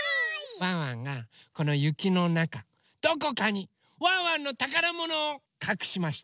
ワンワンがこのゆきのなかどこかにワンワンのたからものをかくしました。